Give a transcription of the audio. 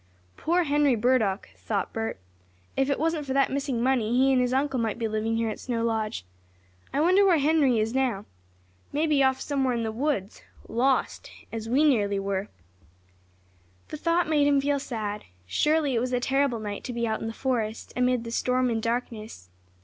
"Poor Henry Burdock!" thought Bert. "If it wasn't for that missing money he and his uncle might be living here at Snow Lodge. I wonder where Henry is now? Maybe off somewhere in the woods, lost as we nearly were!" The thought made him feel sad. Surely it was a terrible night to be out in the forest, amid the storm and darkness.